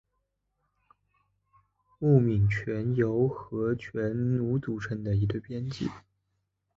木皿泉由和泉努组成的一对编剧。